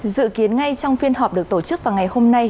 dự kiến ngay trong phiên họp được tổ chức vào ngày hôm nay